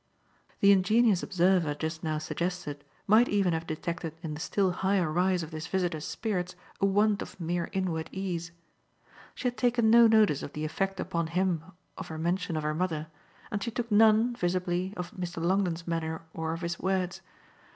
The ingenious observer just now suggested might even have detected in the still higher rise of this visitor's spirits a want of mere inward ease. She had taken no notice of the effect upon him of her mention of her mother, and she took none, visibly, of Mr. Longdon's manner or of his words.